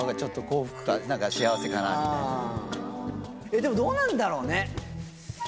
でもどうなんだろうね。